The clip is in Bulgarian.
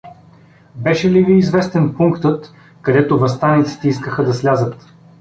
Беше ли ви известен пунктът, където въстаниците искаха да слязат?